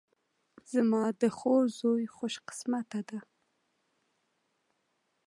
زما د خور زوی خوش قسمته ده